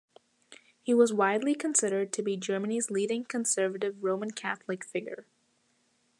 He was widely considered to be Germany's leading conservative Roman Catholic figure.